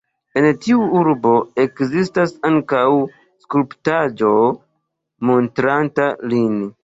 En tiu urbo ekzistas ankaŭ skulptaĵo montranta lin.